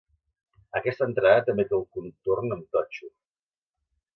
Aquesta entrada també té el contorn amb totxo.